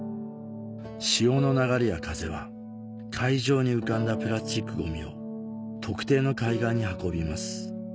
潮の流れや風は海上に浮かんだプラスチックゴミを特定の海岸に運びます